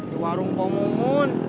di warung pomomun